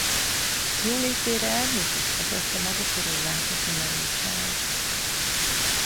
Jólétére árnyékot vetett a maga körül látott nyomorúság.